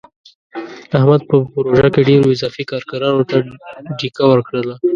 احمد په پروژه کې ډېرو اضافي کارګرانو ته ډیکه ورکړله.